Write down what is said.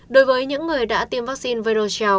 đối với những người đã tiêm vaccine viroxel